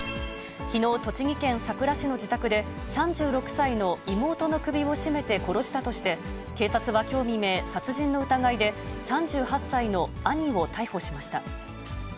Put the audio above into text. きのう、栃木県さくら市の自宅で、３６歳の妹の首を絞めて殺したとして、警察はきょう未明、殺人の疑いで、３８歳の兄を逮捕しました。